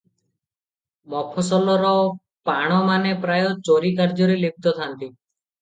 ମଫସଲର ପାଣମାନେ ପ୍ରାୟ ଚୋରି କାର୍ଯ୍ୟରେ ଲିପ୍ତ ଥାନ୍ତି ।